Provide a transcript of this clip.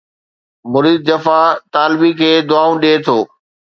مريد جفا طالبي کي دعائون ڏئي ٿو